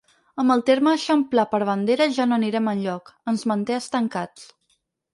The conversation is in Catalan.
Amb el terme ‘eixamplar’ per bandera ja no anirem enlloc, ens manté estancats.